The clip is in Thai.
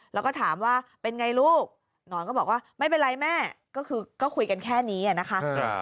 แล้วก็ถามว่าเป็นไงลูกหนอนก็บอกว่าไม่เป็นไรแม่ก็คือก็คุยกันแค่นี้นะคะ